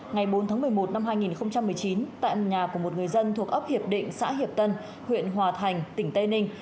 ngày bốn tháng một mươi một năm hai nghìn một mươi chín tại nhà của một người dân thuộc ấp hiệp định xã hiệp tân huyện hòa thành tỉnh tây ninh